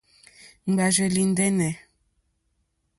Ŋɡbárzèlì ndɛ́nɛ̀.